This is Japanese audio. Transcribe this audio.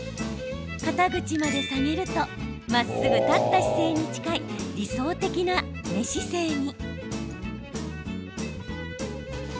肩口まで下げるとまっすぐ立った姿勢に近い理想的な寝姿勢に。